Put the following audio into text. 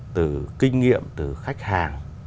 từ kinh nghiệm từ khách hàng